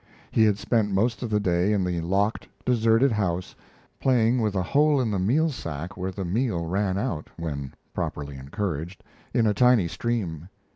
He had spent most of the day in the locked, deserted house playing with a hole in the meal sack where the meal ran out, when properly encouraged, in a tiny stream.